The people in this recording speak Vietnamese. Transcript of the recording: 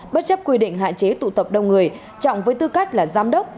bất chấp quy định hạn chế tụ tập đông người trọng với tư cách là giám đốc